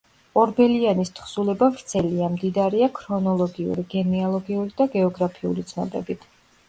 ორბელიანის თხზულება ვრცელია, მდიდარია ქრონოლოგიური, გენეალოგიური და გეოგრაფიული ცნობებით.